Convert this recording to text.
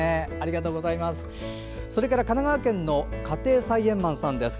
神奈川県の家庭菜園マンさんです。